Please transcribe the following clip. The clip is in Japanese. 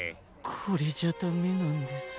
これじゃダメなんです。